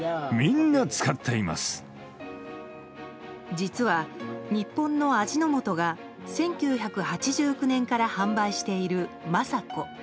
実は、日本の味の素が１９８９年から販売しているＭａｓａｋｏ。